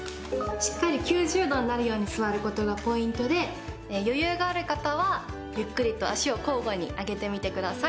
しっかり９０度になるように座ることがポイントで余裕がある方はゆっくりと脚を交互に上げてみてください。